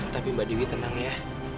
tapi mbak dewi tenang ya